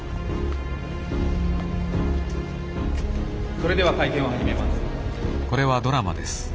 「それでは会見を始めます」。